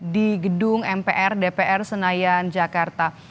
di gedung dpr mpr senayan jakarta